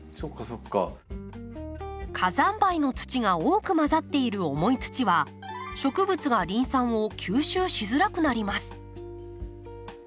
火山灰の土が多く混ざっている重い土は植物がリン酸を吸収しづらくなります。